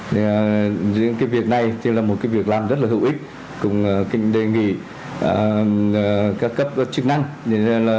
những cái việc này thì là một cái việc làm rất là hữu ích cùng đề nghị các cấp chức năng